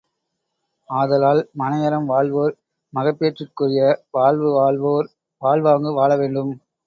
ஆதலால், மனையறம் வாழ்வோர் மகப்பேற்றுக்குரிய வாழ்வு வாழ்வோர் வாழ்வாங்கு வாழ வேண்டும்.